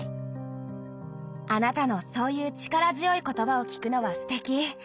あなたのそういう力強い言葉を聞くのはすてき。